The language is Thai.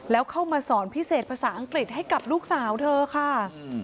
แล้วเข้ามาสอนพิเศษภาษาอังกฤษให้กับลูกสาวเธอค่ะ